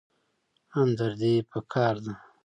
همدردي پکار ده